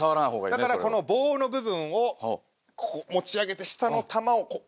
だからこの棒の部分をこう持ち上げて下の玉をこう。